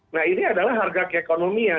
nah ini adalah harga keekonomian